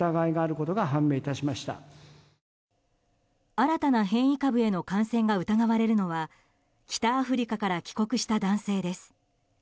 新たな変異株への感染が疑われるのは北アフリカから帰国した男性です。